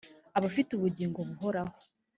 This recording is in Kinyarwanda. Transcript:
aba afite ubugingo buhoraho